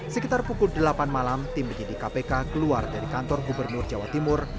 sekitar pukul delapan malam tim penyidik kpk keluar dari kantor gubernur jawa timur